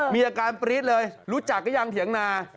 มีอาการปรี๊ดเลยรู้จักหรือยังเถียงนา